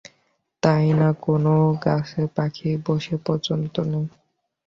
তাই নয়, কোনো গাছে পাখি বসে পর্যন্ত নেই।